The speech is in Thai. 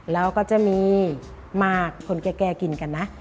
แล้วก็จะมีมากคนแก่กินกันนะ